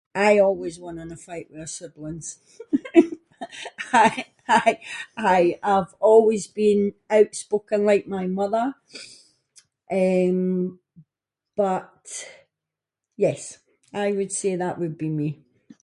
I always won in a fight with our siblings I- I- I have always been outspoken like my mother, eh, but yes, I would say that would be me.